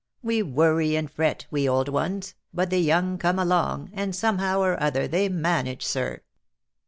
We worry and fret, we old ones, but the young come along, and somehow or other they manage, sir."